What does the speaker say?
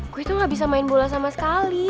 gue itu gak bisa main bola sama sekali